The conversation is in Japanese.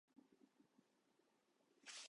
今この手に入れたんだよ